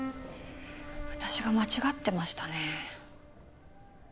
私が間違ってましたね。